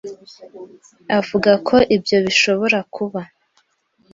Avuga ko ibyo bishobora kuba